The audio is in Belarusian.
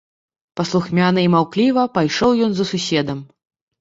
Паслухмяна і маўкліва пайшоў ён за суседам.